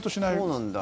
そうなんだ。